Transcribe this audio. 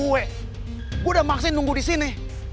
gue udah maksin nunggu di sini